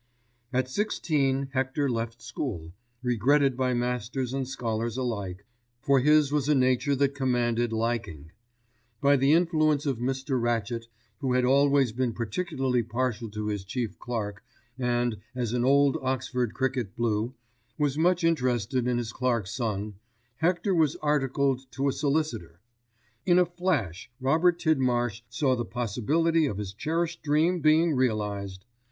At sixteen Hector left school, regretted by masters and scholars alike, for his was a nature that commanded liking. By the influence of Mr. Ratchett, who had always been particularly partial to his chief clerk and, as an old Oxford cricket blue, was much interested in his clerk's son, Hector was articled to a solicitor. In a flash Robert Tidmarsh saw the possibility of his cherished dream being realised.